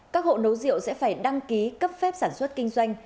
các hộ nấu rượu sẽ phải đăng ký cấp phép sản xuất kinh doanh